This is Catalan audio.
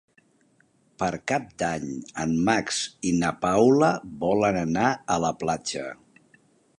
Per Cap d'Any en Max i na Paula volen anar a la platja.